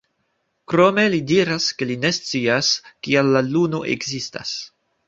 Krome li diras, ke li ne scias, kial la luno ekzistas.